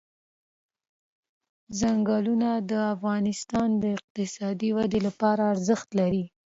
ځنګلونه د افغانستان د اقتصادي ودې لپاره ارزښت لري.